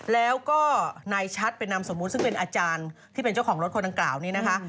แล้วก็นายชัดเป็นนามสมมุติซึ่งเป็นอาจารย์ที่เป็นเจ้าของรถคนดังกล่าวนี้นะคะ